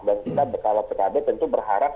dan kita kalau pkb tentu berharap